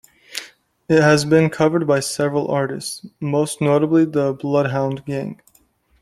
It has been covered by several artists, most notably the Bloodhound Gang.